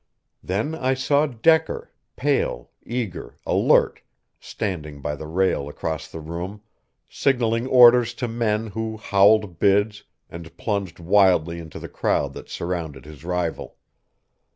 Then I saw Decker, pale, eager, alert, standing by the rail across the room, signaling orders to men who howled bids and plunged wildly into the crowd that surrounded his rival.